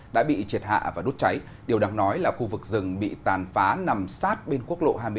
đã bị triệt hạ và đốt cháy điều đáng nói là khu vực rừng bị tàn phá nằm sát bên quốc lộ hai mươi bảy